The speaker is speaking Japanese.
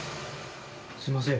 すいません。